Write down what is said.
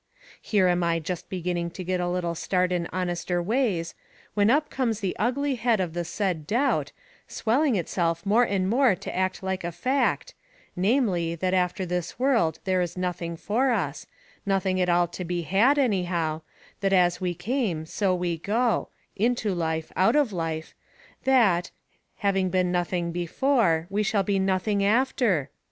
Here am I just beginning to get a little start in honester ways, when up comes the ugly head of the said doubt, swelling itself more and more to look like a fact namely, that after this world there is nothing for us nothing at all to be had anyhow that as we came so we go into life, out of life that, having been nothing before, we shall be nothing after!